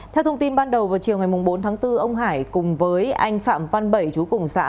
theo thông tin ban đầu vào chiều ngày bốn tháng bốn ông hải cùng với anh phạm văn bảy chú cùng xã